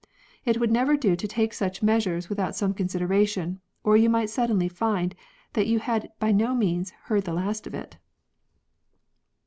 It would never do to take such measures without some consideration, or you might suddenly find that you had by no means heard the last of it.